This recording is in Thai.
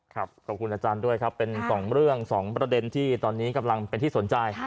ขอบคุณอาจารย์ด้วยครับเป็น๒เรื่อง๒ประเด็นที่ตอนนี้กำลังเป็นที่สนใจ